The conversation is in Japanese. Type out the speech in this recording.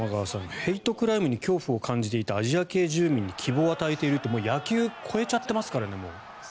ヘイトクライムに恐怖を感じていたアジア系住民に希望を与えているって、野球を超えちゃっていますからね。